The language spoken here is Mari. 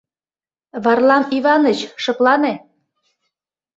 Варлам Иваныч, шыплане.